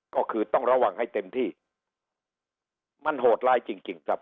ก็คือต้องระวังให้เต็มที่มันโหดร้ายจริงจริงครับ